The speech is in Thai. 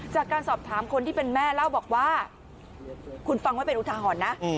จากการสอบถามคนที่เป็นแม่เล่าบอกว่าคุณฟังไว้เป็นอุทาหรณ์นะ